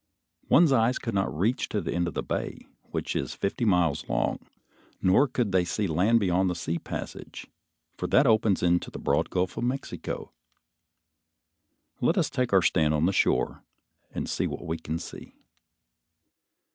One's eyes could not reach to the end of the bay, which is fifty miles long; nor could they see land beyond the sea passage, for that opens into the broad Gulf of Mexico. Let us take our stand on the shore and see what we can see.